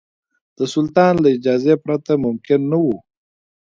د سلطان له اجازې پرته ممکن نه وو.